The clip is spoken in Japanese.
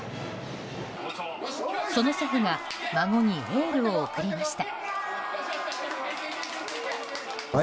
その祖父が孫にエールを送りました。